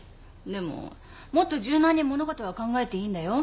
でももっと柔軟に物事は考えていいんだよ。